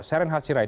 saya renhat sirai